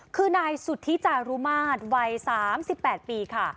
คือนายสุธิจารุมาตรวัยสามสิบแปดปีค่ะ